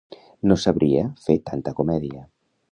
No sabria fer tanta comèdia.